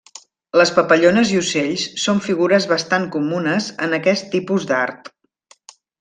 Les papallones i ocells són figures bastant comunes en aquest tipus d'art.